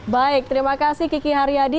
baik terima kasih kiki haryadi